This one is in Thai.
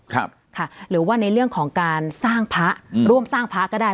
ครับค่ะหรือว่าในเรื่องของการสร้างพระอืมร่วมสร้างพระก็ได้